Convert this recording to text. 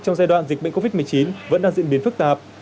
trong giai đoạn dịch bệnh covid một mươi chín vẫn đang diễn biến phức tạp